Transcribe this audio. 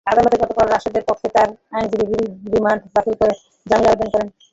আদালতে গতকাল রাশেদের পক্ষে তাঁর আইনজীবী রিমান্ড বাতিল করে জামিনের আবেদন করেন।